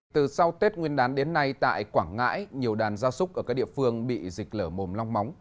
từ sau tết nguyên đán đến nay tại quảng ngãi nhiều đàn gia súc ở các địa phương bị dịch lở mồm long móng